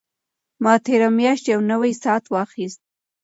ما تېره میاشت یو نوی ساعت واخیست.